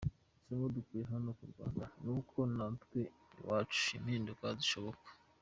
Isomo dukuye hano mu Rwanda ni uko natwe iwacu impinduka zishoboka.